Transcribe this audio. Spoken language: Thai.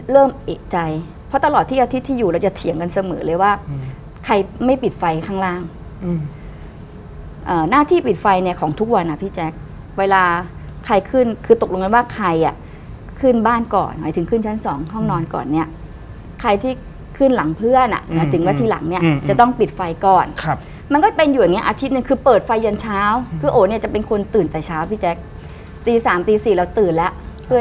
เริ่มเอกใจเพราะตลอดที่อาทิตย์ที่อยู่แล้วจะเถียงกันเสมอเลยว่าใครไม่ปิดไฟข้างล่างอ่าหน้าที่ปิดไฟเนี้ยของทุกวันอะพี่แจ๊คเวลาใครขึ้นคือตกลงกันว่าใครอะขึ้นบ้านก่อนหรือถึงขึ้นชั้นสองห้องนอนก่อนเนี้ยใครที่ขึ้นหลังเพื่อนอะถึงว่าทีหลังเนี้ยจะต้องปิดไฟก่อนครับมันก็เป็นอยู่อย่